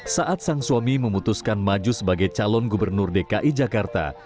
saat sang suami memutuskan maju sebagai calon gubernur dki jakarta